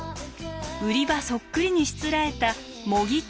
売り場そっくりにしつらえた模擬展示室。